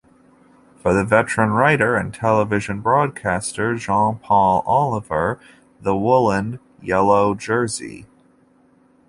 For the veteran writer and television broadcaster Jean-Paul Ollivier, the woollen yellow jersey...